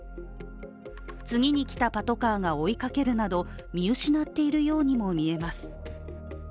次に来たパトカーが追いかけるなど見失っているようにも見えます。